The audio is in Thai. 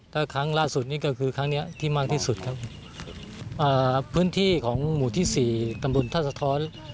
ถ้าครั้งล่าสุดนี่ก็คือครั้งเนี้ยที่มากที่สุดครับอ่าพื้นที่ของหมู่ที่สี่ตำบลท่าสะท้อน